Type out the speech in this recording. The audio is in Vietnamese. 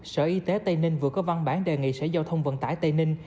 sở y tế tây ninh vừa có văn bản đề nghị sở giao thông vận tải tây ninh